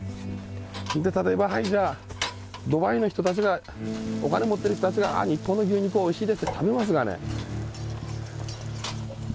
例えばドバイの人たちがお金持ってる人たちが日本の牛肉おいしいですって食べますがね。